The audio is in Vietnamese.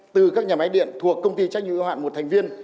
từ các nhà máy điện thuộc công ty trách nhiệm ưu hạn một thành viên